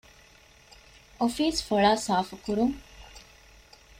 އޮފީސް ފޮޅާ ސާފުކުރުން